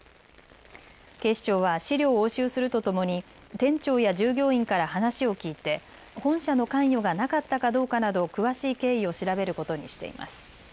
警視庁は資料を押収するとともに店長や従業員から話を聞いて本社の関与がなかったかどうかなど詳しい経緯を調べることにしています。